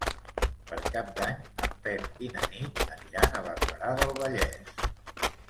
Per Cap d'Any en Pep i na Nit aniran a Barberà del Vallès.